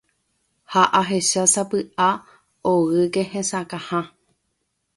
Ha ahechásapy'a ogyke hesakãha.